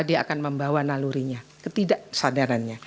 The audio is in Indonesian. dia akan membawa nalurinya ketidaksadarannya